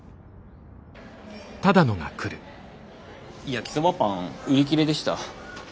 焼きそばパン売り切れでした。